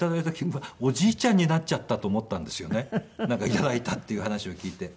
頂いたっていう話を聞いて。